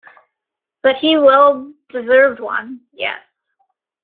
That he well deserved one - yes.